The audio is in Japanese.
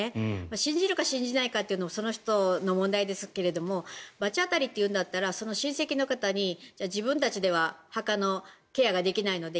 信じるか信じないかというのはその人の問題ですけれども罰当たりと言うんだったらその親戚の方に、自分たちでは墓のケアができないので